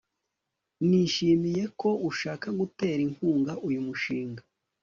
Nishimiye ko ushaka gutera inkunga uyu mushinga